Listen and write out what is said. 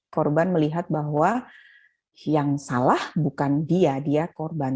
korban melihat bahwa yang salah bukan dia dia korban